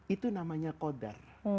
itu namanya kodar